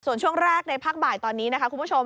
ส่วนช่วงแรกในภาคบ่ายตอนนี้นะคะคุณผู้ชม